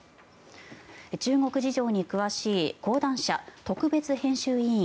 中国事情に詳しい講談社特別編集委員